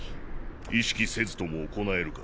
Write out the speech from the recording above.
意識せずとも行えるか？